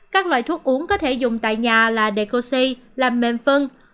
các loại thuốc uống có thể dùng tại nhà là decosi làm mềm phân